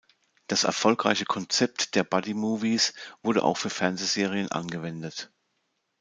Das erfolgreiche Konzept der Buddy-Movies wurde auch für Fernsehserien angewendet.